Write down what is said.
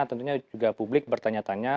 tentunya juga publik bertanya tanya